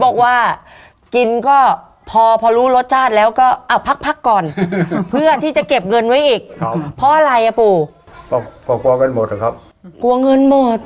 ขายดิบขายดี